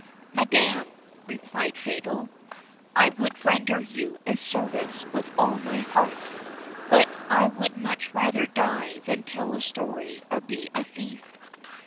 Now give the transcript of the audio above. "Madam," replied Fatal, "I would render you a service with all my heart, but I would much rather die than tell a story or be a thief."